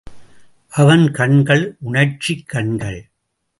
அவன் கண்கள் உணர்ச்சிக் கண்கள்.